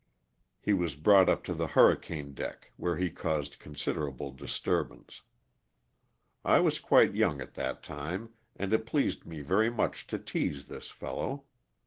He was brought up to the hurri cane deck, where he caused considerable disturbance. I was quite young at that time, and it pleased me very much to tease this fellow.